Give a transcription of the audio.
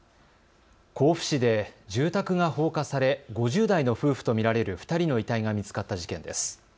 甲府市で住宅が放火され５０代の夫婦と見られる２人の遺体が見つかった事件です。